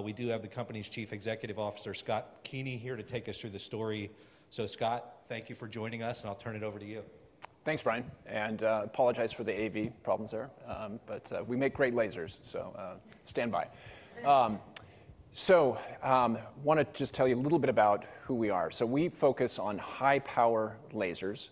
We do have the company's Chief Executive Officer, Scott Keeney, here to take us through the story. Scott, thank you for joining us, and I'll turn it over to you. Thanks, Brian. I apologize for the AV problems there, but we make great lasers, so stand by. I want to just tell you a little bit about who we are. We focus on high-power lasers,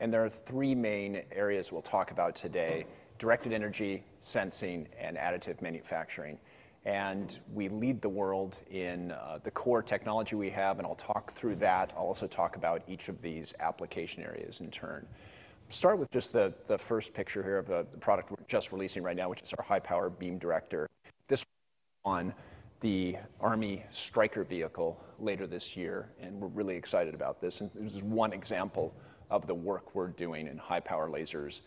and there are three main areas we'll talk about today: directed energy, sensing, and additive manufacturing. We lead the world in the core technology we have, and I'll talk through that. I'll also talk about each of these application areas in turn. Start with just the first picture here of the product we're just releasing right now, which is our high-power beam director. This was on the Army Stryker vehicle later this year, and we're really excited about this. This is one example of the work we're doing in high-power lasers.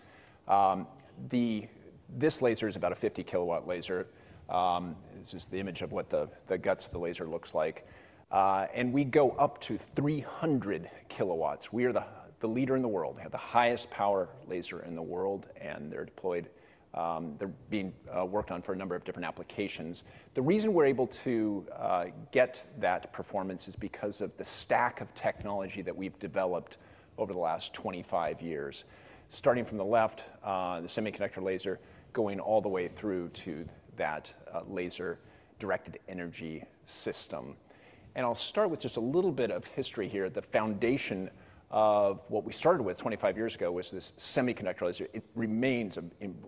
This laser is about a 50 K-W laser. This is the image of what the guts of the laser looks like. We go up to 300 K-W. We are the leader in the world, have the highest power laser in the world, and they're deployed. They're being worked on for a number of different applications. The reason we're able to get that performance is because of the stack of technology that we've developed over the last 25 years, starting from the left, the semiconductor laser, going all the way through to that laser directed energy system. I'll start with just a little bit of history here. The foundation of what we started with 25 years ago was this semiconductor laser. It remains a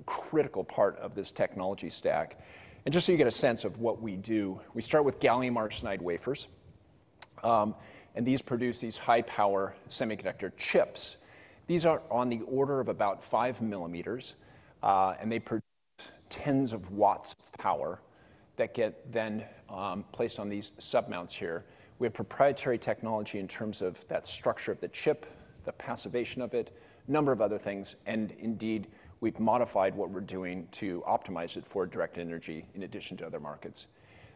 critical part of this technology stack. Just so you get a sense of what we do, we start with gallium arsenide wafers, and these produce these high-power semiconductor chips. These are on the order of about 5 mm, and they produce tens of watts of power that get then placed on these submounts here. We have proprietary technology in terms of that structure of the chip, the passivation of it, a number of other things. Indeed, we've modified what we're doing to optimize it for directed energy in addition to other markets.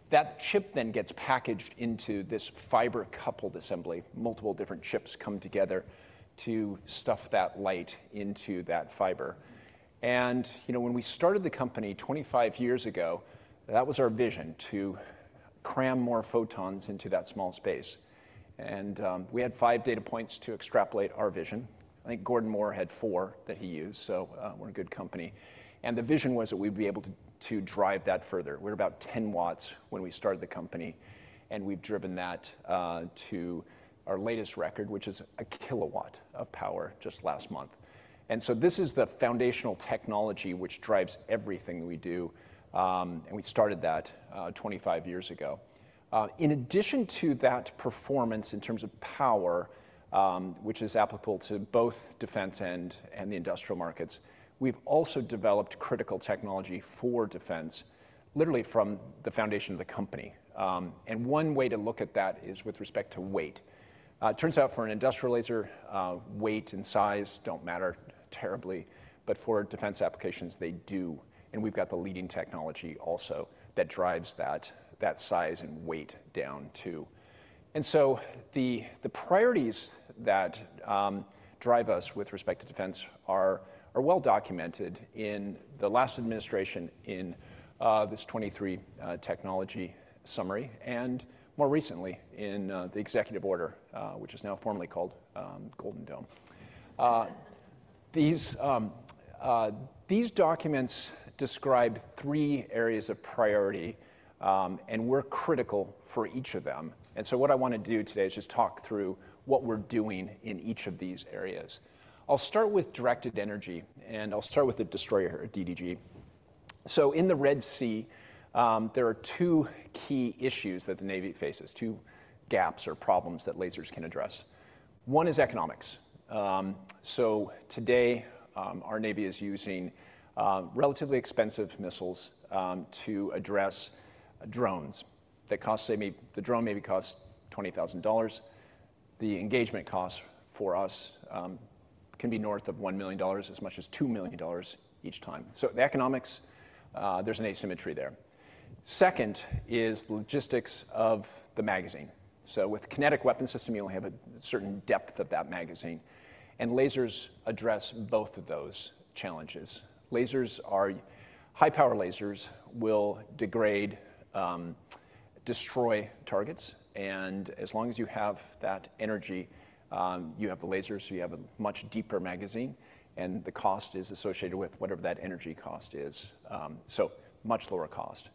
That chip then gets packaged into this fiber-coupled assembly. Multiple different chips come together to stuff that light into that fiber. When we started the company 25 years ago, that was our vision to cram more photons into that small space. We had five data points to extrapolate our vision. I think Gordon Moore had four that he used, so we're a good company. The vision was that we'd be able to drive that further. We're about 10 watts when we started the company, and we've driven that to our latest record, which is a K-W of power just last month. This is the foundational technology which drives everything we do, and we started that 25 years ago. In addition to that, performance in terms of power, which is applicable to both defense and the industrial markets, we've also developed critical technology for defense, literally from the foundation of the company. One way to look at that is with respect to weight. It turns out for an industrial laser, weight and size don't matter terribly, but for defense applications, they do. We've got the leading technology also that drives that size and weight down too. The priorities that drive us with respect to defense are well documented in the last administration in this 2023 technology summary and more recently in the executive order, which is now formally called Golden Dome. These documents describe three areas of priority, and we're critical for each of them. What I want to do today is just talk through what we're doing in each of these areas. I'll start with directed energy, and I'll start with the destroyer DDG. In the Red Sea, there are two key issues that the Navy faces, two gaps or problems that lasers can address. One is economics. Today, our Navy is using relatively expensive missiles to address drones. The drone maybe costs $20,000. The engagement cost for us can be north of $1 million, as much as $2 million each time. The economics, there's an asymmetry there. Second is the logistics of the magazine. With kinetic weapon system, you only have a certain depth of that magazine. Lasers address both of those challenges. High-power lasers will degrade, destroy targets, and as long as you have that energy, you have the lasers, you have a much deeper magazine, and the cost is associated with whatever that energy cost is. Much lower cost.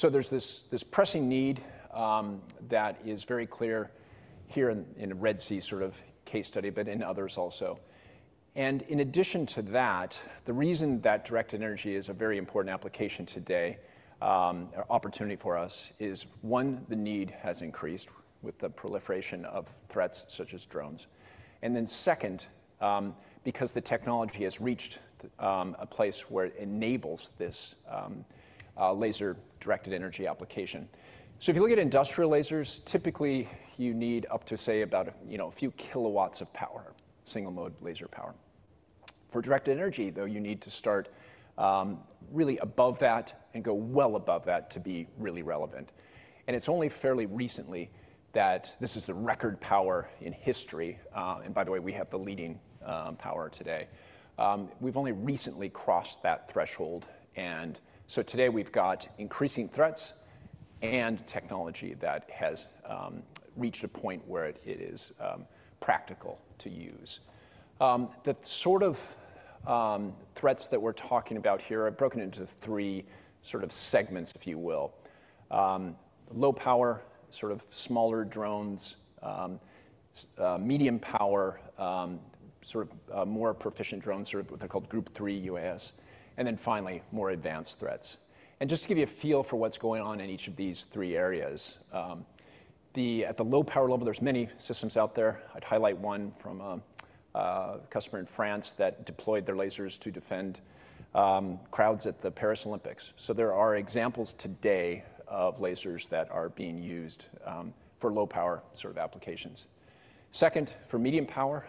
There is this pressing need that is very clear here in the Red Sea sort of case study, but in others also. In addition to that, the reason that directed energy is a very important application today, opportunity for us, is one, the need has increased with the proliferation of threats such as drones. Second, because the technology has reached a place where it enables thislaser-directedd energy application. If you look at industrial lasers, typically you need up to say about a few kilowatts of power, single-mode laser power. For directed energy, though, you need to start really above that and go well above that to be really relevant. It is only fairly recently that this is the record power in history. By the way, we have the leading power today. We have only recently crossed that threshold. Today we have got increasing threats and technology that has reached a point where it is practical to use. The sort of threats that we are talking about here are broken into three sort of segments, if you will. Low power, sort of smaller drones, medium power, sort of more proficient drones, sort of what they are called Group 3 UAS, and then finally more advanced threats. Just to give you a feel for what's going on in each of these three areas, at the low power level, there are many systems out there. I'd highlight one from a customer in France that deployed their lasers to defend crowds at the Paris Olympics. There are examples today of lasers that are being used for low power sort of applications. Second, for medium power,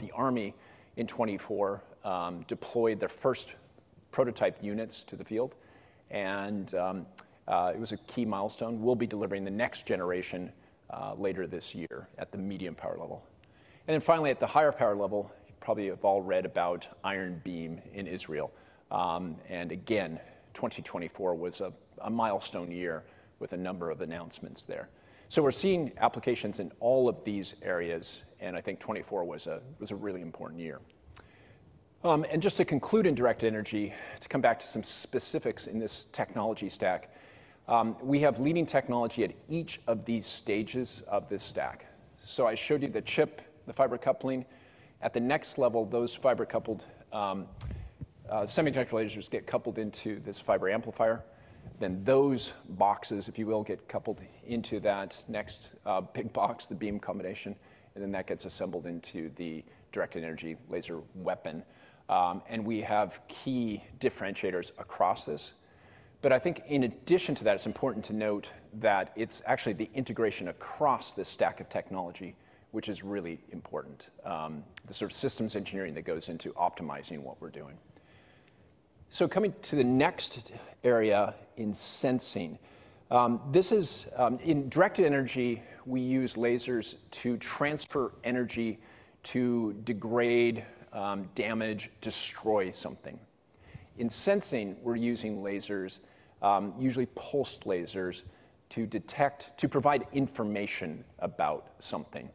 the Army in 2024 deployed their first prototype units to the field, and it was a key milestone. We'll be delivering the next generation later this year at the medium power level. Finally, at the higher power level, probably you've all read about Iron Beam in Israel. Again, 2024 was a milestone year with a number of announcements there. We're seeing applications in all of these areas, and I think 2024 was a really important year. Just to conclude in directed energy, to come back to some specifics in this technology stack, we have leading technology at each of these stages of this stack. I showed you the chip, the fiber coupling. At the next level, those fiber-coupled semiconductor lasers get coupled into this fiber amplifier. Those boxes, if you will, get coupled into that next big box, the beam combination, and that gets assembled into the directed energy laser weapon. We have key differentiators across this. I think in addition to that, it's important to note that it's actually the integration across this stack of technology, which is really important, the sort of systems engineering that goes into optimizing what we're doing. Coming to the next area in sensing, in directed energy, we use lasers to transfer energy to degrade, damage, destroy something. In sensing, we're using lasers, usually pulsed lasers, to detect to provide information about something.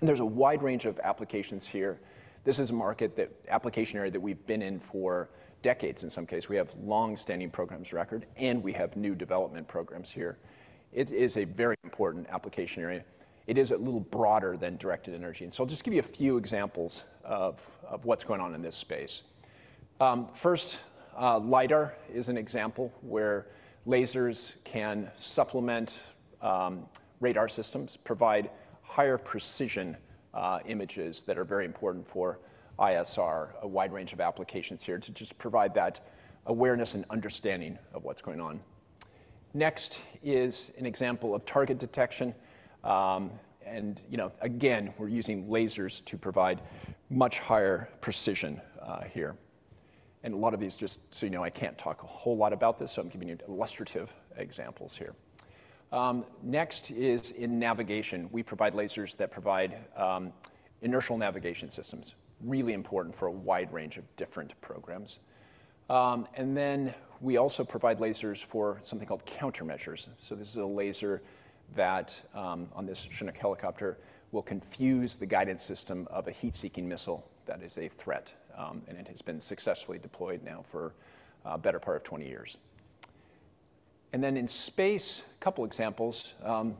There's a wide range of applications here. This is a market, application area that we've been in for decades in some cases. We have long-standing programs record, and we have new development programs here. It is a very important application area. It is a little broader than directed energy. I'll just give you a few examples of what's going on in this space. First, LiDAR is an example where lasers can supplement radar systems, provide higher precision images that are very important for ISR, a wide range of applications here to just provide that awareness and understanding of what's going on. Next is an example of target detection. Again, we're using lasers to provide much higher precision here. A lot of these just, so you know, I can't talk a whole lot about this, so I'm giving you illustrative examples here. Next is in navigation. We provide lasers that provide inertial navigation systems, really important for a wide range of different programs. We also provide lasers for something called countermeasures. This is a laser that on this Chinook helicopter will confuse the guidance system of a heat-seeking missile that is a threat, and it has been successfully deployed now for a better part of 20 years. In space, a couple of examples.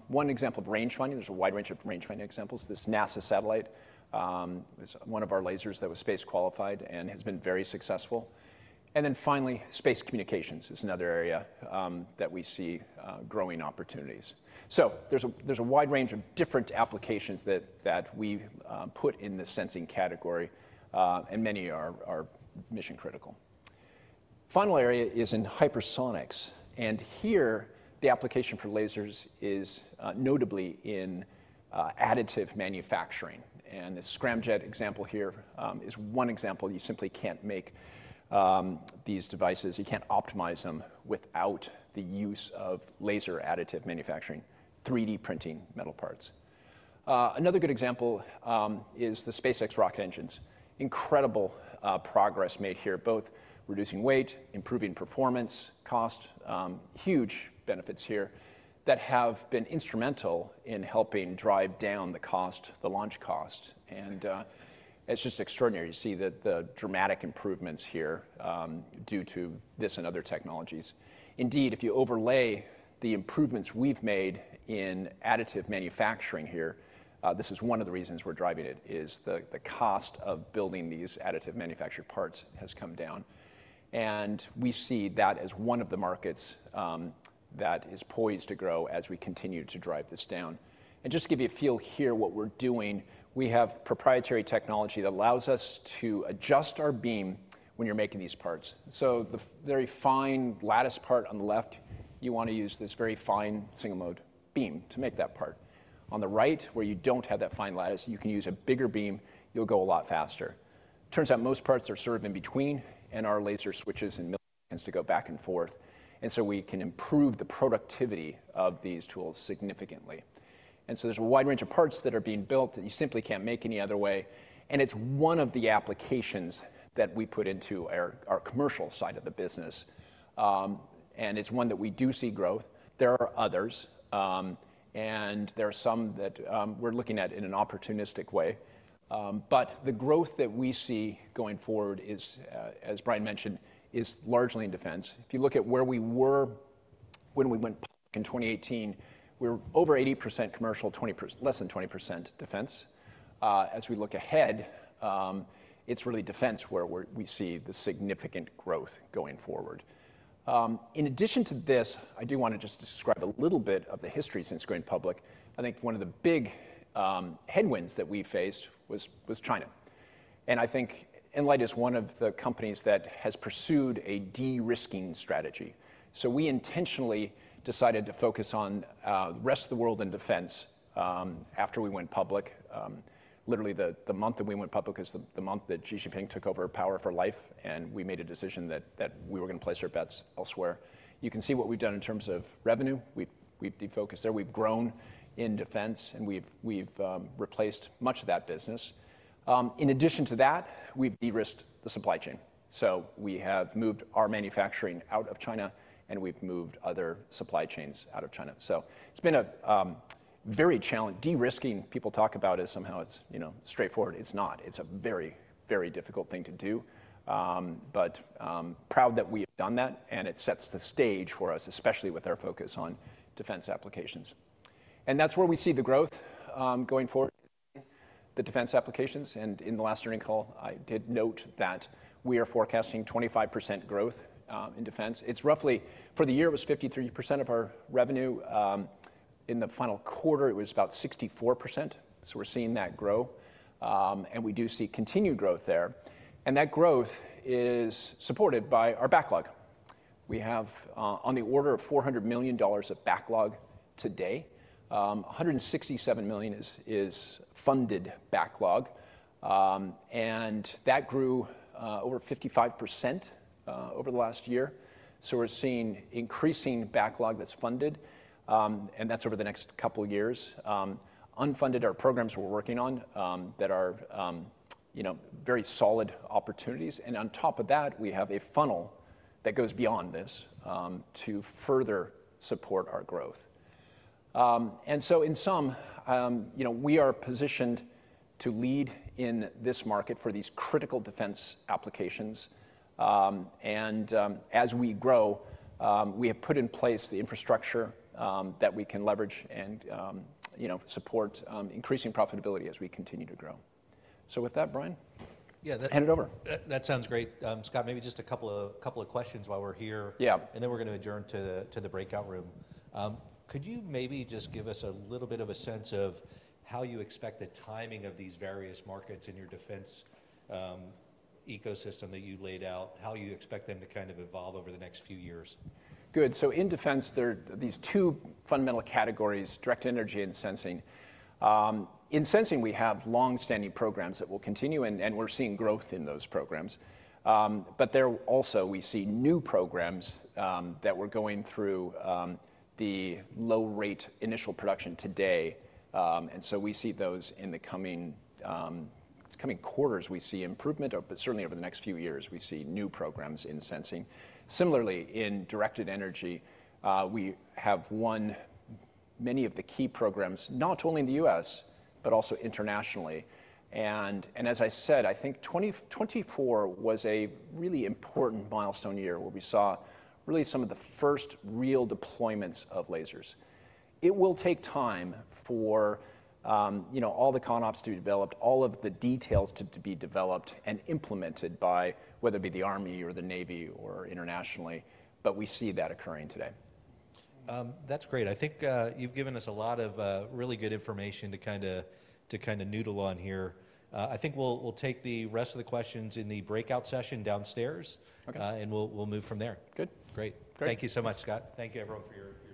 One example of range finding, there is a wide range of range finding examples. This NASA satellite is one of our lasers that was space qualified and has been very successful. Finally, space communications is another area that we see growing opportunities. There is a wide range of different applications that we put in the sensing category, and many are mission critical. The final area is in hypersonics. Here the application for lasers is notably in additive manufacturing. The scramjet example here is one example. You simply can't make these devices. You can't optimize them without the use of laser additive manufacturing, 3D printing metal parts. Another good example is the SpaceX rocket engines. Incredible progress made here, both reducing weight, improving performance, cost, huge benefits here that have been instrumental in helping drive down the cost, the launch cost. It is just extraordinary to see the dramatic improvements here due to this and other technologies. Indeed, if you overlay the improvements we've made in additive manufacturing here, this is one of the reasons we're driving it, as the cost of building these additive-manufacturedd parts has come down. We see that as one of the markets that is poised to grow as we continue to drive this down. Just to give you a feel here, what we're doing, we have proprietary technology that allows us to adjust our beam when you're making these parts. The very fine lattice part on the left, you want to use this very fine single-mode beam to make that part. On the right, where you don't have that fine lattice, you can use a bigger beam. You'll go a lot faster. Turns out most parts are served in between, and our laser switches in milliseconds to go back and forth. We can improve the productivity of these tools significantly. There is a wide range of parts that are being built that you simply can't make any other way. It is one of the applications that we put into our commercial side of the business. It is one that we do see growth. There are others, and there are some that we are looking at in an opportunistic way. The growth that we see going forward, as Brian mentioned, is largely in defense. If you look at where we were when we went in 2018, we were over 80% commercial, less than 20% defense. As we look ahead, it is really defense where we see the significant growth going forward. In addition to this, I do want to just describe a little bit of the history since going public. I think one of the big headwinds that we faced was China. I think nLIGHT is one of the companies that has pursued a de-risking strategy. We intentionally decided to focus on the rest of the world in defense after we went public. Literally, the month that we went public is the month that Xi Jinping took over power for life, and we made a decision that we were going to place our bets elsewhere. You can see what we've done in terms of revenue. We've defocused there. We've grown in defense, and we've replaced much of that business. In addition to that, we've de-risked the supply chain. We have moved our manufacturing out of China, and we've moved other supply chains out of China. It has been very challenging. De-risking, people talk about it like somehow it's straightforward. It's not. It's a very, very difficult thing to do. Proud that we have done that, and it sets the stage for us, especially with our focus on defense applications. That's where we see the growth going forward in the defense applications. In the last earnings call, I did note that we are forecasting 25% growth in defense. It's roughly for the year, it was 53% of our revenue. In the final quarter, it was about 64%. We are seeing that grow. We do see continued growth there. That growth is supported by our backlog. We have on the order of $400 million of backlog today. $167 million is funded backlog. That grew over 55% over the last year. We are seeing increasing backlog that's funded, and that's over the next couple of years. Unfunded are programs we are working on that are very solid opportunities. On top of that, we have a funnel that goes beyond this to further support our growth. In sum, we are positioned to lead in this market for these critical defense applications. As we grow, we have put in place the infrastructure that we can leverage and support increasing profitability as we continue to grow. With that, Brian, hand it over. That sounds great. Scott, maybe just a couple of questions while we're here. Then we're going to adjourn to the breakout room. Could you maybe just give us a little bit of a sense of how you expect the timing of these various markets in your defense ecosystem that you laid out, how you expect them to kind of evolve over the next few years? Good. In defense, there are these two fundamental categorie: directed energy and sensing. In sensing, we have long-standing programs that will continue, and we're seeing growth in those programs. There also, we see new programs that are going through the low-rate initial production today. We see those in the coming quarters. We see improvement, and certainly over the next few years, we see new programs in sensing. Similarly, in directed energy, we have many of the key programs, not only in the US, but also internationally. As I said, I think 2024 was a really important milestone year where we saw some of the first real deployments of lasers. It will take time for all the con ops to be developed, all of the details to be developed and implemented by whether it be the Army or the Navy or internationally, but we see that occurring today. That's great. I think you've given us a lot of really good information to kind of noodle on here. I think we'll take the rest of the questions in the breakout session downstairs, and we'll move from there. Good. Great. Thank you so much, Scott. Thank you, everyone, for your time.